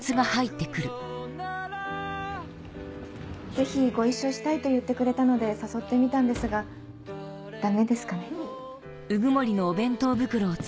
ぜひご一緒したいと言ってくれたので誘ってみたんですがダメですかね？